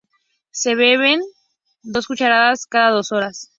Se beben dos cucharadas cada dos horas.